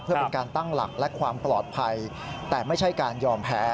เพื่อเป็นการตั้งหลักและความปลอดภัยแต่ไม่ใช่การยอมแพ้